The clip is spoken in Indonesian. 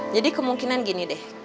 jadi kemungkinan gini deh